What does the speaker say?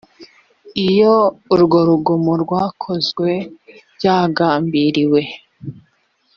iyo urwo rugomo rwakozwe byagambiriwe